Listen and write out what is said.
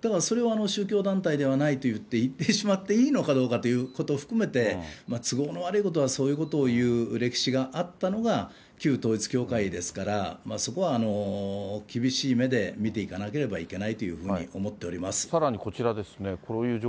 だからそれを宗教団体ではないと言ってしまっていいのかっていうことを含めて、都合の悪いことはそういうことを言う歴史があったのが旧統一教会ですから、そこは厳しい目で見ていかなければいけないというふうさらにこちらです。